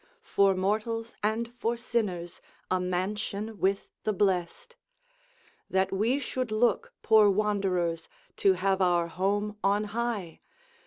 For mortals and for sinners A mansion with the Blest! That we should look, poor wanderers, To have our home on high!